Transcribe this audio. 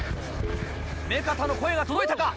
目片の声が届いたか？